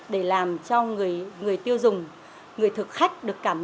để làm cho người tiêu dùng người thực khách được cảm nhận